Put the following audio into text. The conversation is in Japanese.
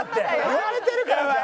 言われてるからじゃん。